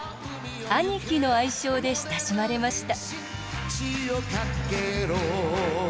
「アニキ」の愛称で親しまれました。